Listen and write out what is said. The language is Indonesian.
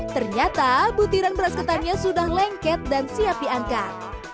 ternyata butiran beras ketannya sudah lengket dan siap diangkat